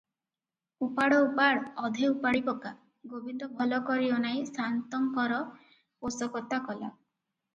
ଉପାଡ଼ ଉପାଡ୍ ଅଧେ ଉପାଡ଼ିପକା ।' ଗୋବିନ୍ଦ ଭଲ କରି ଅନାଇ ସା'ନ୍ତଙ୍କର ପୋଷକତା କଲା ।